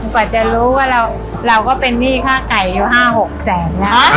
กว่าจะรู้ว่าเราเราก็เป็นหนี้ค่าไก่อยู่ห้าหกแสน